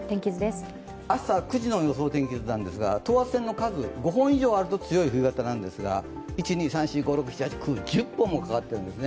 朝９時の予想天気図なんですが、等圧線、５本以上あると強い冬型なんですが１０本もかかっているんですね。